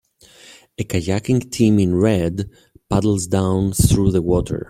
A kayaking team in red paddles down through the water.